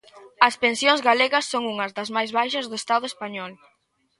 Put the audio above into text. As pensións galegas son unhas das máis baixas do Estado español.